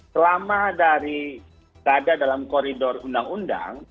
selama dari berada dalam koridor undang undang